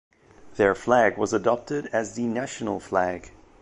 Their flag was adopted as the national flag.